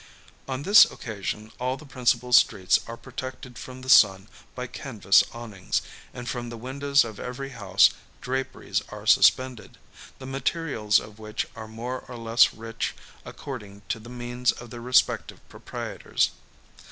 On this occasion all the principal streets are protected from the sun by canvas awnings; and from the windows of every house draperies are suspended, the materials of which are more or less rich according to the means of their respective proprietors.